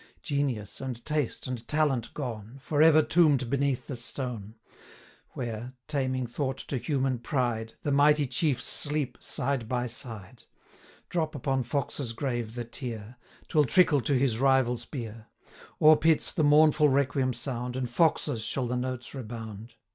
Genius, and taste, and talent gone, For ever tomb'd beneath the stone, Where taming thought to human pride! The mighty chiefs sleep side by side. 185 Drop upon Fox's grave the tear, 'Twill trickle to his rival's bier; O'er PITT'S the mournful requiem sound, And Fox's shall the notes rebound.